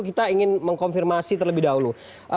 kita ingin mengkonfirmasi terlebih dahulu